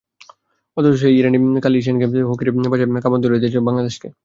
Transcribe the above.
অথচ সেই ইরানই কাল এশিয়ান গেমস হকির বাছাইয়ে কাঁপন ধরিয়ে দিয়েছিল বাংলাদেশকে।